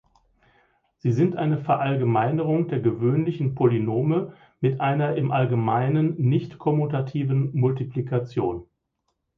Sie sind eine Verallgemeinerung der gewöhnlichen Polynome mit einer im Allgemeinen nicht kommutativen Multiplikation.